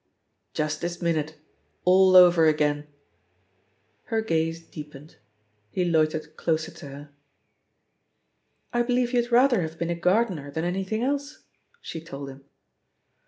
"Just this minute — all over again I" (Her gaze deepened. He loitered closer to her. "I believe you'd rather have been a gardener than anything else," she told him.